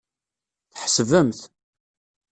Tḥesbemt.